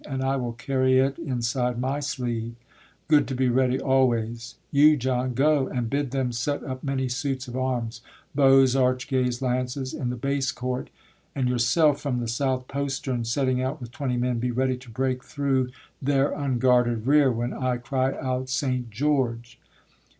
And I will carry it inside my sleeve, Good to be ready always; you, John, go And bid them set up many suits of arms, Bows, archgays, lances, in the base court, and Yourself, from the south postern setting out, With twenty men, be ready to break through Their unguarded rear when I cry out, St. George!